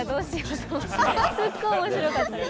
すっごい面白かったです。